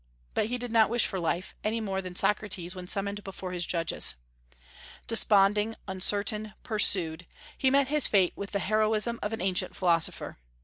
But he did not wish for life, any more than did Socrates when summoned before his judges. Desponding, uncertain, pursued, he met his fate with the heroism of an ancient philosopher.